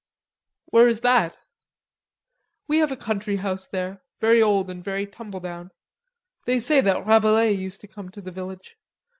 "Where is that?" "We have a country house there, very old and very tumbledown. They say that Rabelais used to come to the village.